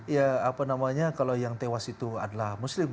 ya apa namanya kalau yang tewas itu adalah muslim